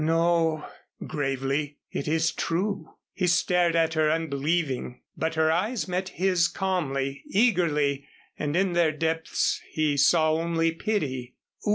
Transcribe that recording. "No," gravely. "It is true." He stared at her unbelieving, but her eyes met his calmly, eagerly, and in their depths he saw only pity.